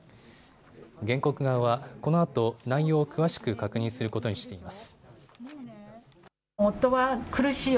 原告側はこのあと内容を詳しく確認することにしています。